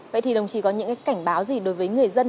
vậy thì đồng chí có những cảnh báo gì đối với người dân